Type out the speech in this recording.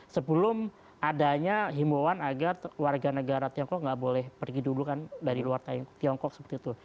sebelum adanya himbauan agar warga negara tiongkok nggak boleh pergi dulu kan dari luar tiongkok seperti itu